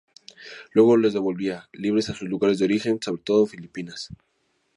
Luego los devolvía, libres a sus lugares de origen, sobre todo Filipinas.